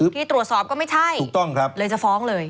ที่ตรวจสอบก็ไม่ใช่เลยจะฟ้องเลย